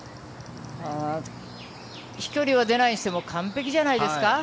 飛距離は出ないにしても完璧じゃないですか？